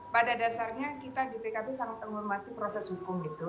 pada dasarnya kita di pkb sangat menghormati proses hukum gitu